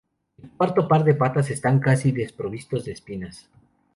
El cuarto par de patas están casi desprovistos de espinas.